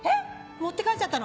持って帰っちゃったの？